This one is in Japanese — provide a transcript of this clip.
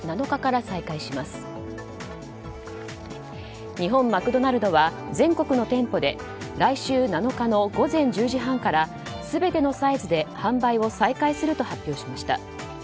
日本マクドナルドは全国の店舗で来週７日の午前１０時半から全てのサイズで販売を再開すると発表しました。